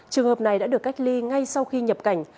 trường hợp này đã được cách ly ngay sau khi nhập cảnh